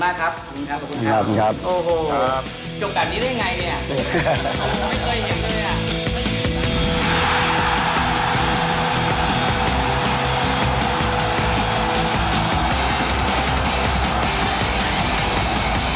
ขอบคุณมากครับ